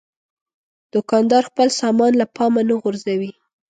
دوکاندار خپل سامان له پامه نه غورځوي.